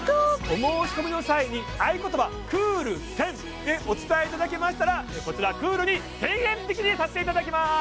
お申し込みの際に合言葉「ｃｏｏｌ１０００」でお伝えいただけましたらこちらクールに１０００円引きにさせていただきます